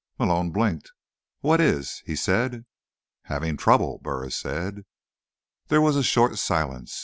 Malone blinked. "What is?" he said. "Having trouble," Burris said. There was a short silence.